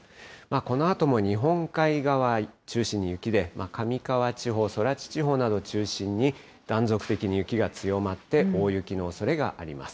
このあとも日本海側を中心に雪で、上川地方、空知地方などを中心に断続的に雪が強まって、大雪のおそれがあります。